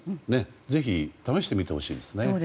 ぜひ試してみてほしいですね。